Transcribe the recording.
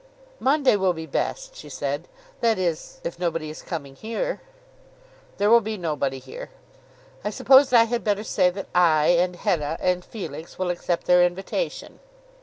"Monday will be best," she said; " that is, if nobody is coming here." "There will be nobody here." "I suppose I had better say that I, and Hetta, and Felix will accept their invitation."